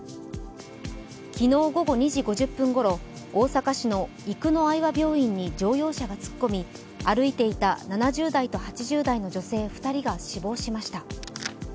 昨日午後２時５０分ごろ、大阪市の生野愛和病院に乗用車が突っ込み歩いていた７０代と８０代の女性２人が死亡しました。